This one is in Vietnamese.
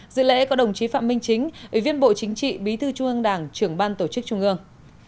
dự lễ có đồng chí phạm minh chính ủy viên bộ chính trị bí thư trung ương đảng trưởng ban tổ chức trung ương